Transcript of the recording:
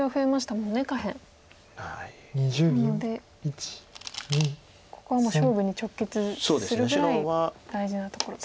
なのでここはもう勝負に直結するぐらい大事なところと。